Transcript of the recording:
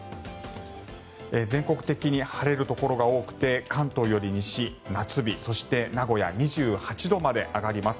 全国的に晴れるところが多くて関東より西、夏日そして名古屋、２８度まで上がります。